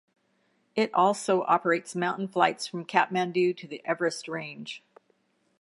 It also operates mountain flights from Kathmandu to the Everest range.